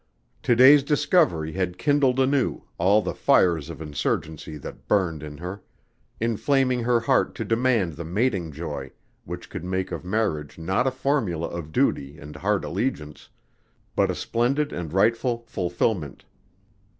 To day's discovery had kindled anew all the fires of insurgency that burned in her, inflaming her heart to demand the mating joy which could make of marriage not a formula of duty and hard allegiance, but a splendid and rightful fulfillment.